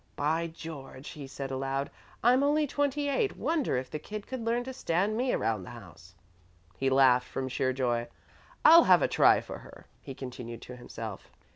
"By George," he said aloud, "I'm only twenty eight wonder if the kid could learn to stand me around the house." He laughed, from sheer joy. "I'll have a try for her," he continued to himself.